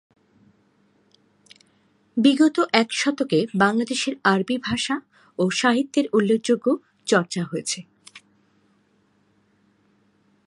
বিগত এক শতকে বাংলাদেশে আরবি ভাষা ও সাহিত্যের উল্লেখযোগ্য চর্চা হয়েছে।